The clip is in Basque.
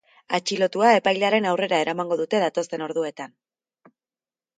Atxilotua epailearen aurrera eramango dute datozen orduetan.